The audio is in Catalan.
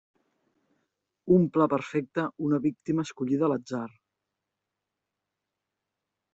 Un pla perfecte, una víctima escollida a l'atzar.